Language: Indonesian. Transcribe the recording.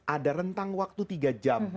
ada rentang waktu tiga jam